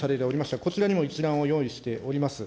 こちらにも一覧を用意しております。